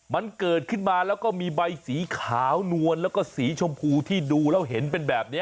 มันเกิดขึ้นมาแล้วก็มีใบสีขาวนวลแล้วก็สีชมพูที่ดูแล้วเห็นเป็นแบบนี้